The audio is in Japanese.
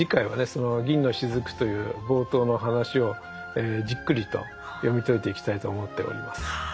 その「銀の滴」という冒頭の話をじっくりと読み解いていきたいと思っております。